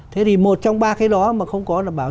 thế thì một trong ba cái đó mà không có là bảo